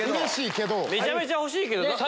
めちゃめちゃ欲しいけど。